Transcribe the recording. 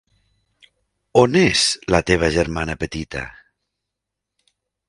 On és la teva germana petita?